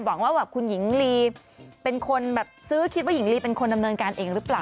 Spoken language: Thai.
หวังว่าแบบคุณหญิงลีเป็นคนแบบซื้อคิดว่าหญิงลีเป็นคนดำเนินการเองหรือเปล่า